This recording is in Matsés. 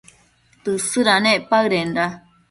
Tësëdanec paëdenda